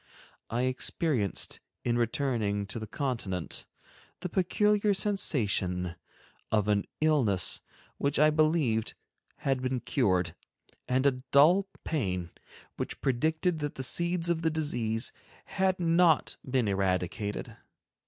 I experienced, in returning to the Continent, the peculiar sensation of an illness which I believed had been cured, and a dull pain which predicted that the seeds of the disease had not been eradicated.